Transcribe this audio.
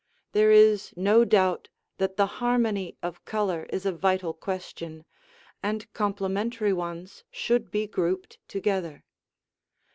There is no doubt that the harmony of color is a vital question, and complementary ones should be grouped together.